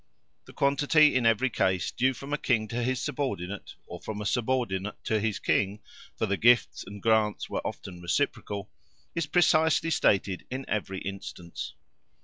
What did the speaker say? The quantity in every case due from a King to his subordinate, or from a subordinate to his King—for the gifts and grants were often reciprocal—is precisely stated in every instance.